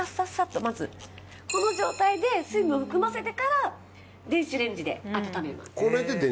この状態で水分含ませてから電子レンジで温めます。